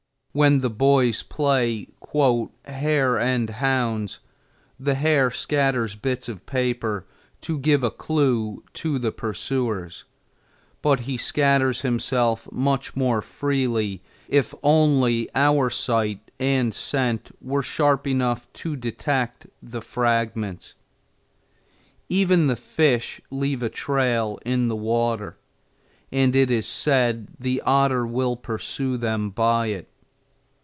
When the boys play "hare and hounds" the hare scatters bits of paper to give a clew to the pursuers, but he scatters himself much more freely if only our sight and scent were sharp enough to detect the fragments. Even the fish leave a trail in the water, and it is said the otter will pursue them by it.